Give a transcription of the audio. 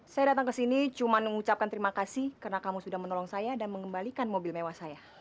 saya datang ke sini cuma mengucapkan terima kasih karena kamu sudah menolong saya dan mengembalikan mobil mewah saya